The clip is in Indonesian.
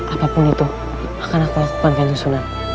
apapun itu akan aku lakukan kanjong sunan